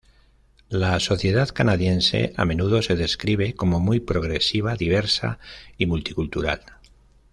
La sociedad canadiense a menudo se describe como "muy progresiva, diversa y multicultural".